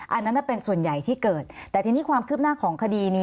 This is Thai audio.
อันนั้นเป็นส่วนใหญ่ที่เกิดแต่ทีนี้ความคืบหน้าของคดีนี้